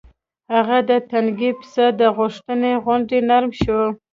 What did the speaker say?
هغه د تنکي پسه د غوښې غوندې نرم شو.